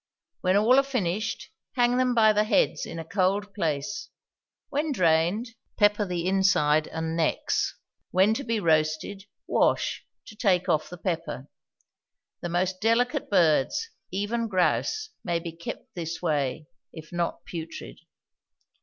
When all are finished, hang them by the heads in a cold place; when drained, pepper the inside and necks; when to be roasted, wash, to take off the pepper. The most delicate birds, even grouse, may be kept this way, if not putrid.